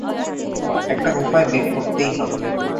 একটা উপায় বের করতেই হবে।